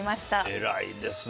偉いですね。